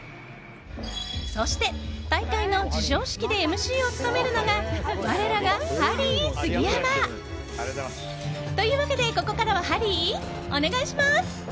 そして大会の授賞式でＭＣを務めるのが我らがハリー杉山！というわけで、ここからはハリー、お願いします！